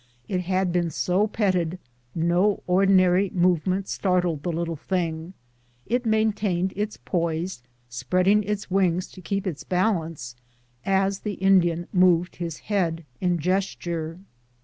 It had been so petted, no ordinary move ment startled the little thing. It maintained its poise, spreading its wings to keep its balance, as the Indian moved his head in gesture.